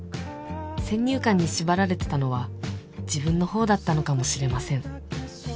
先入観に縛られてたのは自分の方だったのかもしれません